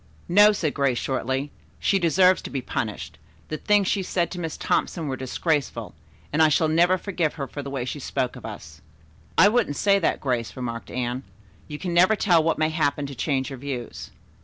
"No," said Grace shortly. "She deserves to be punished. The things she said to Miss Thompson were disgraceful, and I shall never forgive her for the way she spoke of us." "I wouldn't say that, Grace," remarked Anne. "You can never tell what may happen to change your views."